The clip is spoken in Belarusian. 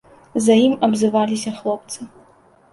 За ім абзываліся хлопцы.